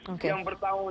oke yang bertahun tahun